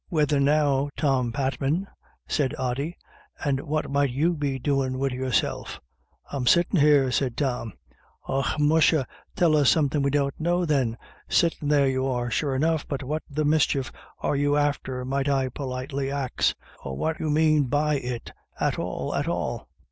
" Whethen now, Tom Patman," said Ody, " and what might you be doin' wid yourself?" " I'm sittin' here," said Tom. " Och musha, tell us somethin* we don't know then. Sittin' there you are, sure enough, but what the mischief are you after, might I politely ax ? or what you mane by it, at all at all